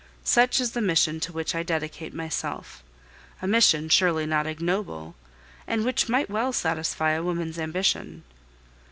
Such is the mission to which I dedicate myself, a mission surely not ignoble, and which might well satisfy a woman's ambition.